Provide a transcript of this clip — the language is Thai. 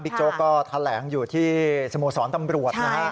บิ๊กโจ้ก็ทะแหลงอยู่ที่สมโสรณ์ตำรวจนะครับ